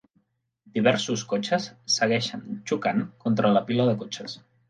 Diversos cotxes segueixen xocant contra la pila de cotxes.